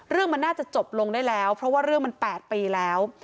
เรื่องมันน่าจะจบลงได้แล้วเพราะว่าเรื่องมัน๘ปีแล้ว